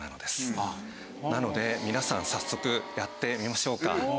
なので皆さん早速やってみましょうか。